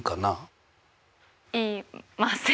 言いません。